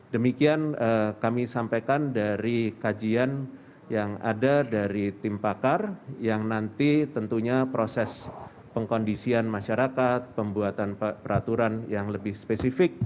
demikian kami sampaikan dari kajian yang ada dari tim pakar yang nanti tentunya proses pengkondisian masyarakat pembuatan peraturan yang lebih spesifik